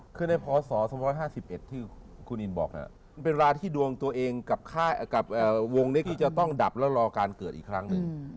คือในพศ๒๕๑ที่คุณอินบอกมันเป็นราที่ดวงตัวเองกับวงนี้ที่จะต้องดับแล้วรอการเกิดอีกครั้งหนึ่ง